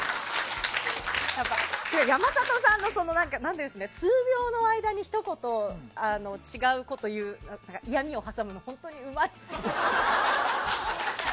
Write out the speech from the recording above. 山里さんの数秒の間にひと言違うことを言う嫌みを挟むの本当にうまいですよね。